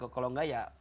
kalau nggak ya